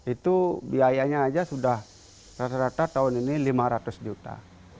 itu biayanya aja sudah rata rata tahun ini lima ratus juta